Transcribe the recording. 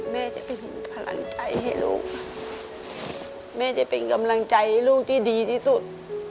แม่จะเป็นพลังใจให้ลูกแม่จะเป็นกำลังใจลูกที่ดีที่สุด